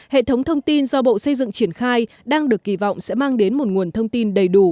hệ thống thông tin do bộ xây dựng triển khai đang được kỳ vọng sẽ mang đến một nguồn thông tin đầy đủ